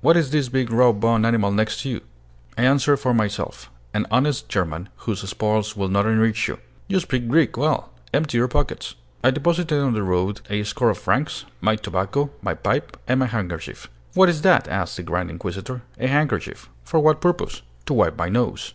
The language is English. What is this big raw boned animal next you?" I answered for myself: "An honest German, whose spoils will not enrich you." "You speak Greek well. Empty your pockets." I deposited on the road a score of francs, my tobacco, my pipe, and my handkerchief. "What is that?" asked the grand inquisitor. "A handkerchief." "For what purpose?" "To wipe my nose."